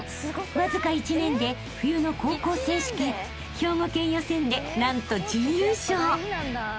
［わずか１年で冬の高校選手権兵庫県予選で何と準優勝］